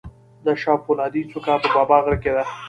د شاه فولادي څوکه په بابا غر کې ده